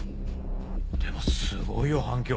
でもすごいよ反響！